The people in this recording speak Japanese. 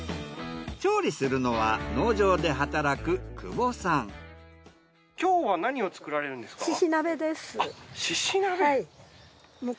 調理するのは農場で働く今日は何を作られるんですか？